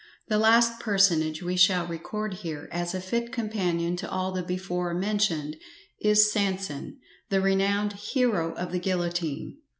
The last personage we shall record here as a fit companion to all the before mentioned, is SANSON, the renowned HERO OF THE GUILLOTINE.